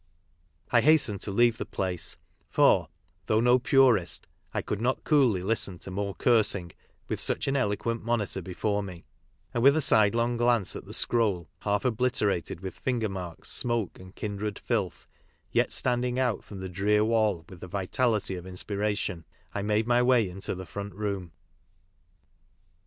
I hastened to leave the place, for, though no purist, I could not coolly listen to more cursing, with such an eloquent monitor before me; and with a sidelong glance at the scroll, half obliterated with finger marks, smoke, and kindred filth, yet standing out from the drear wall with the vitality of inspira tion, I made my way into the front room.